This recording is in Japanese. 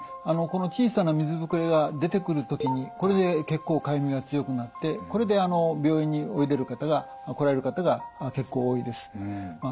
この小さな水膨れが出てくる時にこれで結構かゆみが強くなってこれで病院に来られる方が結構多いです。